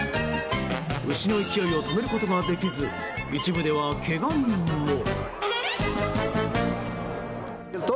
牛の勢いを止めることができず一部では、けが人も。